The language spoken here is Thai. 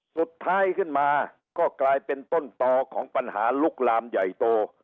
สุดท้ายขึ้นมาก็กลายเป็นต้นต่อของปัญหาลุกลามใหญ่โต